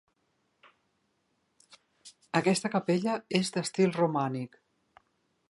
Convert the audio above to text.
Aquesta capella és d'estil romànic.